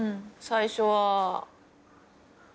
最初は。